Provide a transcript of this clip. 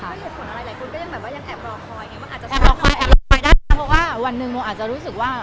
แอบเราคอยแอบไปได้เพราะว่าวันหนึ่งโมงอาจจะรู้สึกว่า